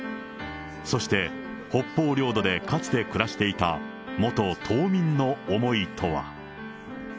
そして、北方領土でかつて暮らしていた元島民の思いとは。